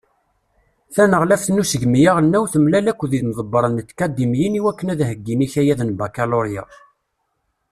Taneɣlaft n usegmi aɣelnaw temlal akked imḍebbṛen n tkadimiyin iwakken ad heggin ikayaden Bakaluṛya.